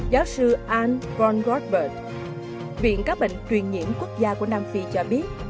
giáo sư anne von gottberg viện các bệnh truyền nhiễm quốc gia của nam phi cho biết